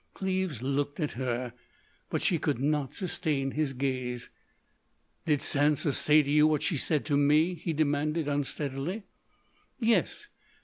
Cleves looked at her, but she could not sustain his gaze. "Did Sansa say to you what she said to me?" he demanded unsteadily. "Yes....